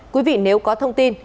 quý vị nếu có thông tin